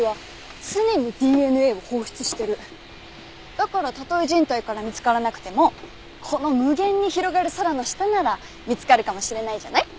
だからたとえ人体から見つからなくてもこの無限に広がる空の下なら見つかるかもしれないじゃない？